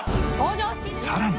さらに